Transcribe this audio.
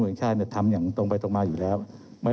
เรามีการปิดบันทึกจับกลุ่มเขาหรือหลังเกิดเหตุแล้วเนี่ย